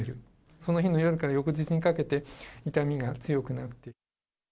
その日の夜から翌日にかけて、痛みが強くなって。